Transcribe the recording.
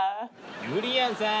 ゆりやんさん。